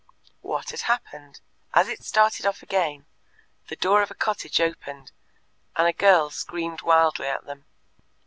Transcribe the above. What had happened? As it started off again, the door of a cottage opened, and a girl screamed wildly at them.